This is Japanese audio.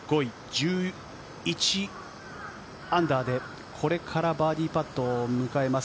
−１１で、これからバーディーパットを迎えます。